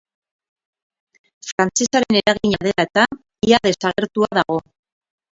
Frantsesaren eragina dela eta, ia desagertua dago.